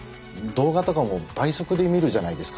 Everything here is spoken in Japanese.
動画とかも倍速で見るじゃないですか。